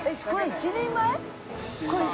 １人前。